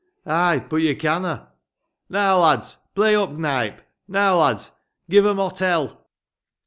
"Ay! But you canna'!" "Now, lads! Play up, Knype! Now, lads! Give 'em hot hell!"